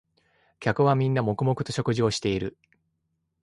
客はみんな黙々と食事をしている